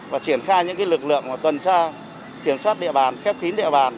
và triển khai những lực lượng tuần tra kiểm soát địa bàn khép khí địa bàn